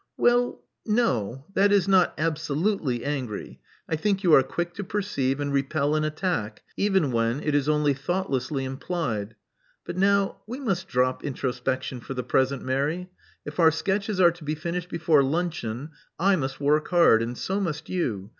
*'Well, no. That is, not absolutely angry. I think you are quick to perceive and repel an attack, even when it is only thoughtlessly implied. But now we must drop introspection for the present, Mary. If our sketches are to be finished before luncheon, I must work hard; and so must you.